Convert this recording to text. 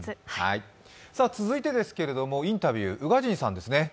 続いてですけれども、インタビュー、宇賀神さんですね。